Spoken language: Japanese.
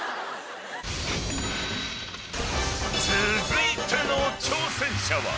［続いての挑戦者は］